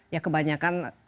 ya kebanyakan apa